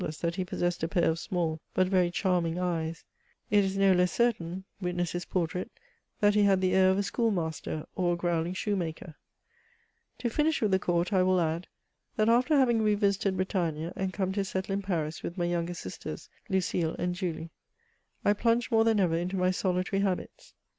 176 MEMOIRS OF Ronsseau has told ns that he possessed a pair of small, hut ▼ery charming eyes ; it is no less certain — witness his portrait — ^that he had the air of a schoolmaster or a growling shoemaker. To finish with the court, I will add, that after having revisited Bretagne, and come to settle in Paris with my younger sisters, Lucile and JuHe, I plunged more than ever into my soUtary hahits.